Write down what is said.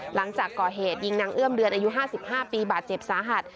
หลังจากก่อเหตุยิงนางเอื้อมเดือนอายุ๕๕ปีบาดเจ็บสาหัส